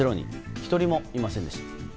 １人もいませんでした。